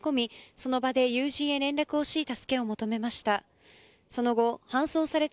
その場で友人へ連絡し助けを求めました。